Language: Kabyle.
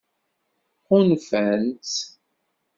Ɣunfan-tt?